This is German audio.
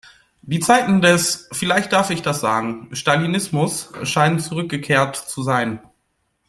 Die Zeiten des, vielleicht darf ich das sagen, Stalinismus scheinen zurückgekehrt zu sein.